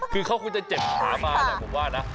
คือเขาคงจะเจ็บขามาแหละผมว่านะ